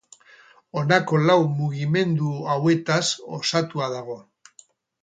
Honako lau mugimendu hauetaz osatua dago.